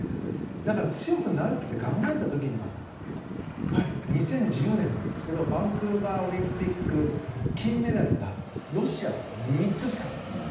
だから強くなるって考えた時にはやっぱり２０１０年なんですけどバンクーバーオリンピック金メダルがロシアは３つしかなかったんです。